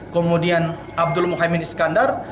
kemudian abdul muhammad iskandar